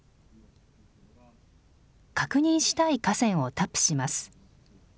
確認したい河川をタップします。